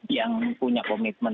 yang punya komitmen